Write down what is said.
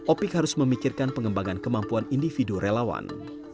opik harus memikirkan pengembangan kemampuan individu relawan